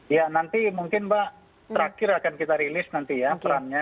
ya nanti mungkin mbak terakhir akan kita rilis nanti ya perannya